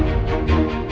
aku mau pergi